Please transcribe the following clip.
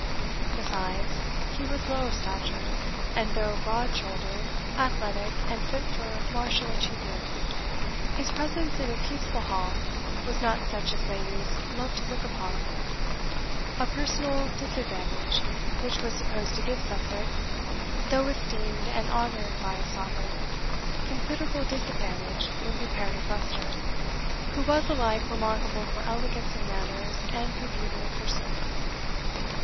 Besides, he was low of stature, and, though broad shouldered, athletic, and fit for martial achievements, his presence in a peaceful hall was not such as ladies love to look upon; a personal disadvantage, which was supposed to give Sussex, though esteemed and honoured by his Sovereign, considerable disadvantage when compared with Leicester, who was alike remarkable for elegance of manners and for beauty of person.